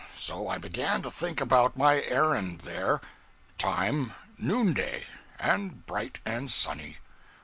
So I began to think about my errand there. Time, noonday; and bright and sunny.